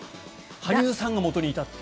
羽生さんがもとにいたという。